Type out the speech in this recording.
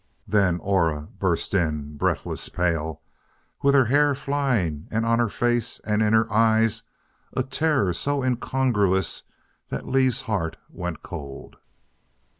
Then Aura burst in, breathless, pale, with her hair flying and on her face and in her eyes a terror so incongruous that Lee's heart went cold.